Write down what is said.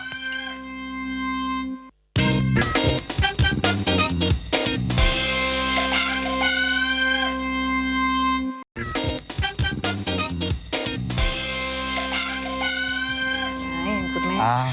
ดีมากคุณแม่